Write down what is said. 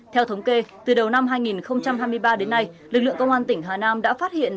theo thống kê từ đầu năm hai nghìn hai mươi ba đến nay lực lượng công an tỉnh hà nam đã phát hiện